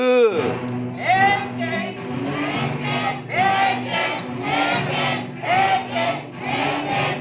เพลงเก่ง